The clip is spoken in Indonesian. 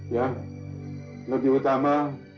ya lebih utama